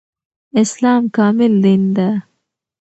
اسلام کامل دين ده